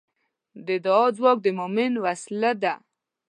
د دعا ځواک د مؤمن وسلې ده.